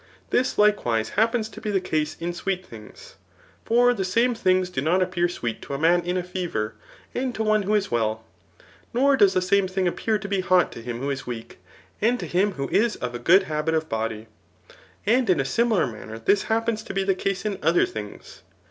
This, likewise, happens to be the case in sweet things ; for the same things do not appear sweet to Digitized by Google <JHAP, V. ETHICS. 885 a man in a fever, and to one who is well ; .nor does the same thing appear to be hot to him who is weak, and to him who is of a good habit of body. And in a similar man ner this happens to be the case in other things.